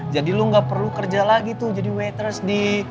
jadi lo nggak perlu kerja lagi tuh jadi waitress di